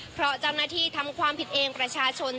เพราะเจ้าหน้าที่ทำความผิดเองประชาชน